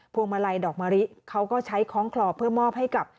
วงมาลัยดอกมะริเขาก็ใช้คล้องคลอเพื่อมอบให้กับ